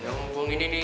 ya aku buang gini nih